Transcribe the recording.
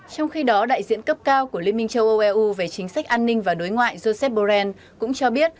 trong khi đó đại diện cấp cao của liên minh châu âu eu về chính sách an ninh và đối ngoại joseph bruel cũng cho biết